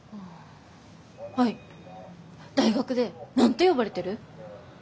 アイ大学で何て呼ばれてる？